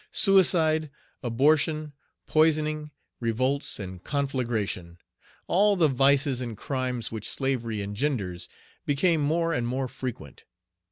Suicide, abortion, poisoning, revolts, and conflagration all the vices and crimes which slavery engenders became more and more frequent.